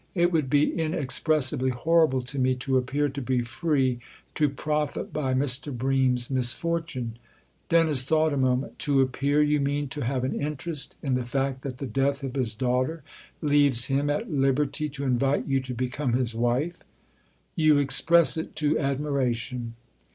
" It would be inexpressibly horrible to me to appear to be free to profit by Mr. Bream's misfortune." Dennis thought a moment. " To appear, you mean, to have an interest in the fact that the death of his daughter leaves him at liberty to invite you to become his wife ?" THE OTHER HOUSE 275 " You express it to admiration."